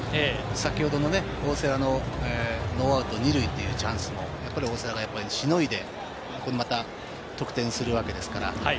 先ほどの大瀬良のノーアウト２塁というチャンスもやっぱり大瀬良が凌いで、得点するわけですから。